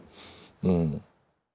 うん。